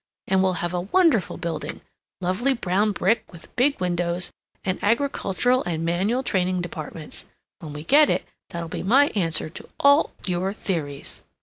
And we'll have a wonderful building lovely brown brick, with big windows, and agricultural and manual training departments. When we get it, that'll be my answer to all your theories!"